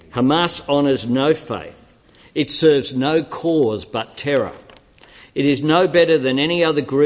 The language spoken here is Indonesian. hamas tidak memiliki kepercayaan tidak menjaga kemampuan tapi teror